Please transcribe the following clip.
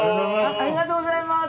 ありがとうございます。